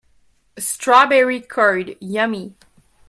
Strawberry curd, yummy!